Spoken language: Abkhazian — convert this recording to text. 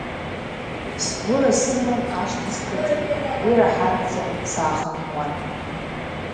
Сгәыраз сыман ашҭа сҭыҵит, уи раҳаҭӡа саахынҳәуан.